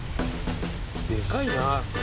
でかいな。